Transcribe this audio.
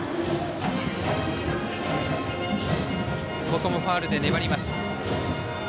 ここもファウルで粘ります。